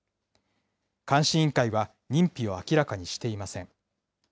監視委員会は認否を明らかにしていません。